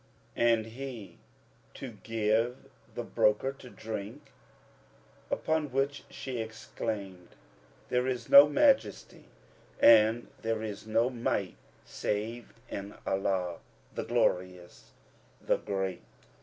And he, To give the broker to drink," upon which she exclaimed, There is no Majesty and there is no Might save in Allah, the Glorious, the Great!"